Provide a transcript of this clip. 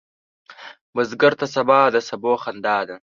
بزګر ته سبا د سبو خندا ده